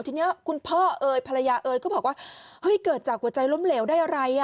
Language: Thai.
ทีนี้คุณพ่อเอ๋ยภรรยาเอ๋ยก็บอกว่าเฮ้ยเกิดจากหัวใจล้มเหลวได้อะไร